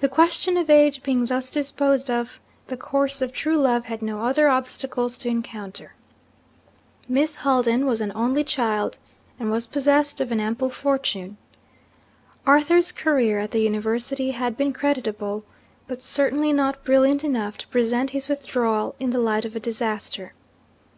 The question of age being thus disposed of, the course of true love had no other obstacles to encounter. Miss Haldane was an only child, and was possessed of an ample fortune. Arthur's career at the university had been creditable, but certainly not brilliant enough to present his withdrawal in the light of a disaster.